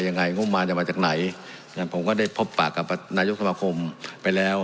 ยังไงงบมาจะมาจากไหนผมก็ได้พบปากกับนายกสมาคมไปแล้ว